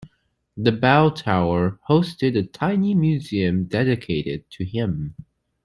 The bell tower hosted a tiny museum dedicated to him.